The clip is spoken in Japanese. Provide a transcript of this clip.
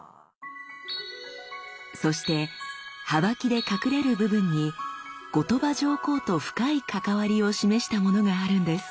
そしてはばきで隠れる部分に後鳥羽上皇と深い関わりを示したものがあるんです。